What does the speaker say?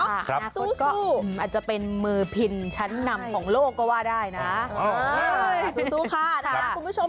อาจจะเป็นมือพินชั้นนำของโลกก็ว่าได้นะเออสู้สู้ค่ะคุณผู้ชม